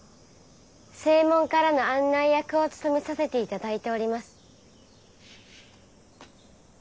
正門からの案内役を務めさせていただいております。